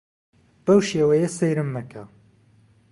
بەو شێوەیە سەیرم مەکە.